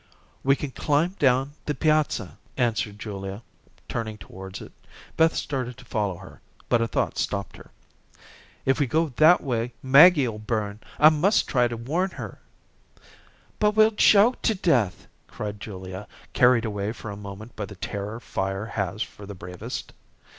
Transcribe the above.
"We can climb down the piazza," answered Julia turning towards it. Beth started to follow her, but a thought stopped her. "If we go that way Maggie'll burn. I must try to warn her." "But we'll choke to death," cried Julia, carried away for a moment by the terror fire has for the bravest.